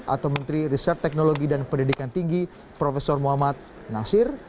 atau menteri riset teknologi dan pendidikan tinggi prof muhammad nasir